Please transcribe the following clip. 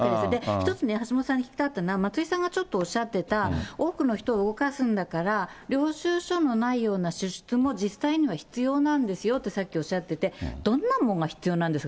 一つね、橋下さんに聞きたかったのは、松井さんがちょっとおっしゃってた多くの人を動かすんだから、領収書のないような支出も実際には必要なんですよってさっきおっしゃってて、どんなもんが必要なんですか？